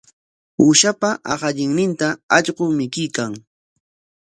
Uushapa aqallinninta allqu mikuykan.